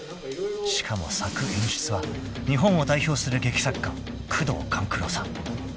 ［しかも作・演出は日本を代表する劇作家宮藤官九郎さん］